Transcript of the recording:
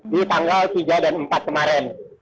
di tanggal tiga dan empat kemarin